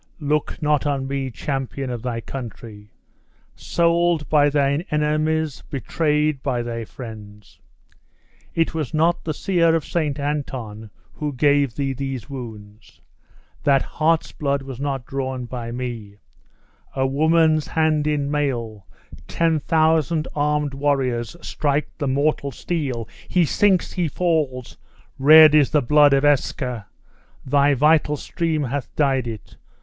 Look not on me, champion of thy country! Sold by thine enemies betrayed by thy friends! It was not the seer of St. Anton who gave thee these wounds that heart's blood was not drawn by me: a woman's hand in mail, ten thousand armed warriors strike the mortal steel he sinks, he falls! Red is the blood of Eske! Thy vital stream hath dyed it.